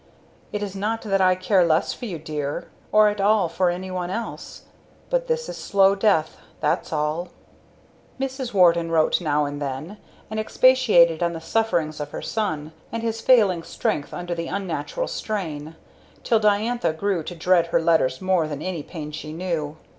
It is not that I care less for you dear, or at all for anyone else, but this is slow death that's all." Mrs. Warden wrote now and then and expatiated on the sufferings of her son, and his failing strength under the unnatural strain, till Diantha grew to dread her letters more than any pain she knew.